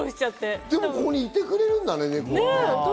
ネコ、ここにいてくれるんだね。